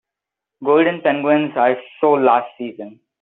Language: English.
Golden penguins are so last season.